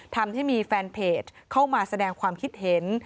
ทำให้มีแฟนเพจเข้ามาแสดงความคิดเห็น